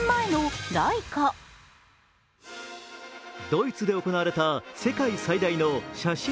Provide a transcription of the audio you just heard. ドイツで行われた世界最大の写真